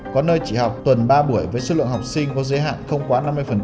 có nơi chỉ học tuần ba buổi với số lượng học sinh có giới hạn không quá năm mươi